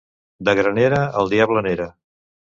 De Granera, el diable n'era.